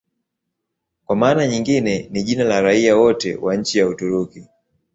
Kwa maana nyingine ni jina la raia wote wa nchi ya Uturuki.